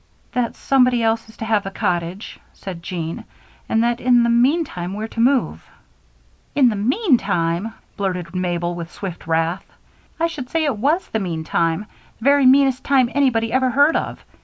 "That somebody else is to have the cottage," said Jean, "and that in the meantime we're to move." "In the meantime!" blurted Mabel, with swift wrath. "I should say it was the meantime the very meanest time anybody ever heard of.